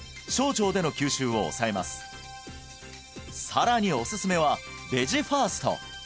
さらにおすすめはベジファースト！